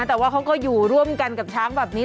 แต่ว่าเขาก็อยู่ร่วมกันกับช้างแบบนี้